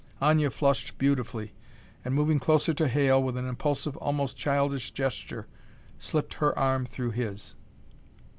Aña flushed beautifully, and, moving closer to Hale, with an impulsive, almost childish gesture, slipped her arm through his.